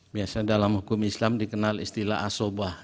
biasanya dalam hukum islam dikenal istilah asobah